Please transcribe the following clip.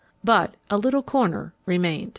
But a little corner remained.